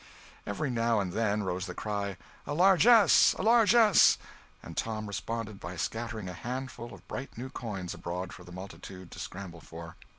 Every now and then rose the cry, "A largess! a largess!" and Tom responded by scattering a handful of bright new coins abroad for the multitude to scramble for.